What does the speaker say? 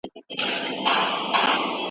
که څه هم چي دې معصومي